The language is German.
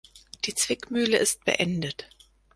Die Zwickmühle ist beendet.